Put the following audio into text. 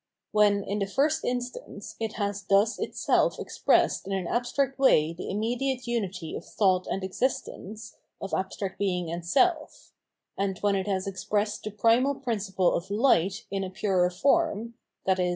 * When, in the first in stance, it has thus itself expressed in an abstract way the immediate unity of thought and existence, of abstract Being and Self ; and when it has expressed the primal principle of "Light" in a purer form, viz.